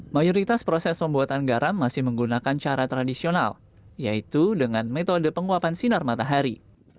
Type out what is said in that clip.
mayoritas proses pembuatan garam masih menggunakan cara tradisional yaitu dengan metode penguapan sinar matahari